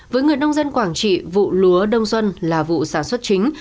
với người nông dân quảng trị vụ lúa đông xuân là vụ sản xuất chính